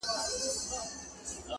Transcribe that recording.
نه اثر وکړ دوا نه تعویذونو!.